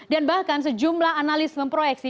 bahkan sejumlah analis memproyeksi